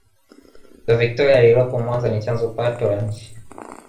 ziwa victoria lililopo mwanza ni chanzo pato la nchi